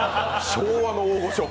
昭和の大御所！